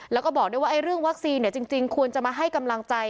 แล้วก็บอกด้วยว่าเรื่องวัคซีนจริงควรจะมาให้กำลังใจ